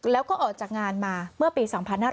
แล้วก็ออกจากงานมาเมื่อปี๒๕๕๙